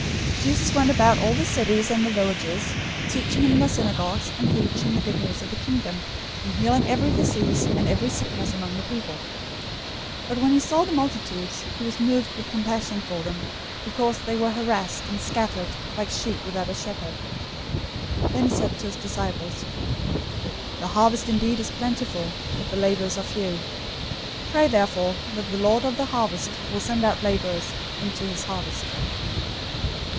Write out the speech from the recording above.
009:035 Jesus went about all the cities and the villages, teaching in their synagogues, and preaching the Good News of the Kingdom, and healing every disease and every sickness among the people. 009:036 But when he saw the multitudes, he was moved with compassion for them, because they were harassed{TR reads "weary" instead of "harassed"} and scattered, like sheep without a shepherd. 009:037 Then he said to his disciples, "The harvest indeed is plentiful, but the laborers are few. 009:038 Pray therefore that the Lord of the harvest will send out laborers into his harvest."